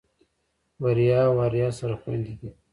بريا او آريا سره خويندې دي.